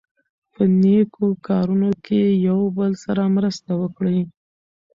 په نېکو کارونو کې یو بل سره مرسته وکړئ.